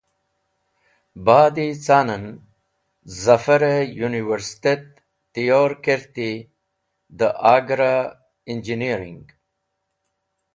Ba’d ca’n en Zafar-e universetet tiyor kerti dẽ Agra Injiniyering.